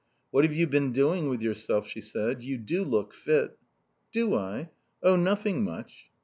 "What have you been doing with yourself?" she said. "You do look fit." "Do I? Oh, nothing much."